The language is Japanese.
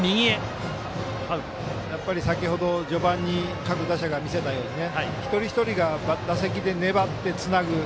先ほど序盤に各打者が見せたように一人一人が打席で粘ってつなぐ。